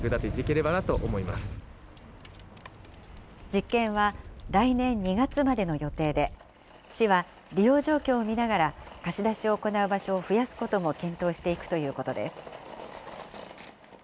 実験は来年２月までの予定で、市は、利用状況を見ながら、貸し出しを行う場所を増やすことも検討していくということです。